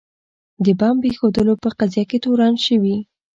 د بمب ایښودلو په قضیه کې تورن شوي.